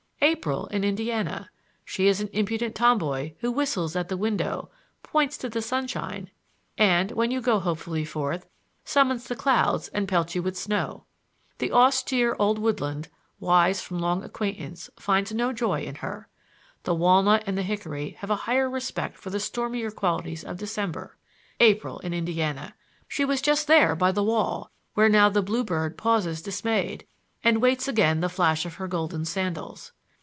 April in Indiana! She is an impudent tomboy who whistles at the window, points to the sunshine and, when you go hopefully forth, summons the clouds and pelts you with snow. The austere old woodland, wise from long acquaintance, finds no joy in her. The walnut and the hickory have a higher respect for the stormier qualities of December. April in Indiana! She was just there by the wall, where now the bluebird pauses dismayed, and waits again the flash of her golden sandals.